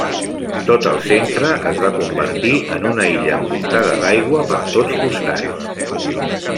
Tot el centre es va convertir en una illa envoltada d'aigua per tots costats.